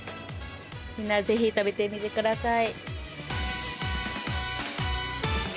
みんな是非食べてみてください。